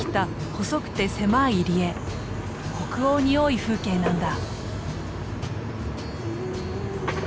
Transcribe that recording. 北欧に多い風景なんだ。